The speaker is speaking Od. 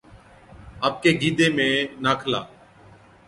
آپڪي گِيدي ۾ ناکلا،